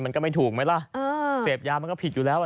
มันก็ไม่ถูกไหมล่ะเสพยามันก็ผิดอยู่แล้ว